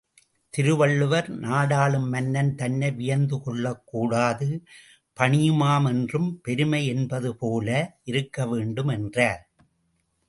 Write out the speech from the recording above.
திருவள்ளுவர், நாடாளும் மன்னன் தன்னை வியந்து கொள்ளக்கூடாது, பணியுமாம் என்றும் பெருமை என்பது போல இருக்கவேண்டும் என்றார்.